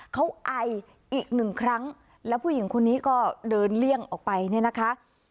เขาไออีกหนึ่งครั้งแล้วผู้หญิงคนนี้ก็เดินเลี่ยงออกไปเนี่ยนะคะ